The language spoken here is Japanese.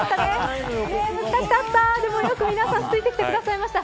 でも、よく皆さんついてきてくださいました。